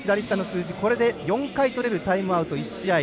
４回とれるタイムアウト、１試合。